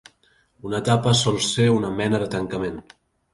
Una tapa sol ser una mena de tancament.